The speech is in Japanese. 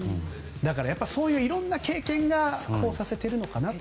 だからそういういろいろな経験がこうさせているのかなと。